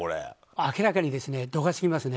明らかに度が過ぎますね。